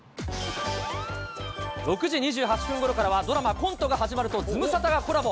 ６時２８分ごろからは、ドラマ、コントが始まるとズムサタがコラボ。